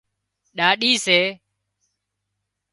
ڏاڏِي سي